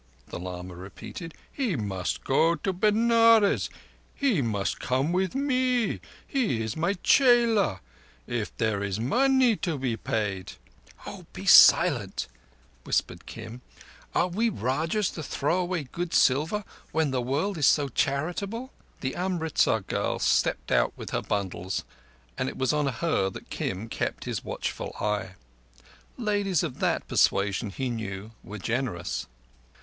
the lama repeated. "He must go to Benares. He must come with me. He is my chela. If there is money to be paid—" "Oh, be silent," whispered Kim; "are we Rajahs to throw away good silver when the world is so charitable?" The Amritzar girl stepped out with her bundles, and it was on her that Kim kept his watchful eye. Ladies of that persuasion, he knew, were generous.